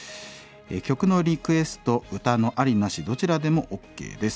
曲のリクエスト歌のありなしどちらでもＯＫです。